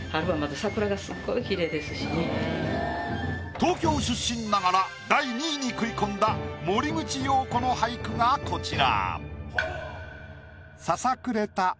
東京出身ながら第２位に食い込んだ森口瑤子の俳句がこちら。